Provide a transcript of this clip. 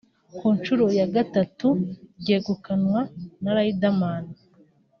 ku nshuro ya gatatu ryegukanwa na Riderman